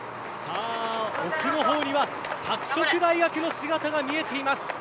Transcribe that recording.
奥の方には拓殖大学の姿が見えています。